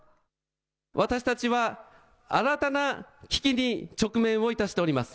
私たちは新たな危機に直面をいたしております。